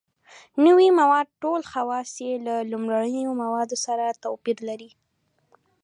نوي مواد ټول خواص یې له لومړنیو موادو سره توپیر لري.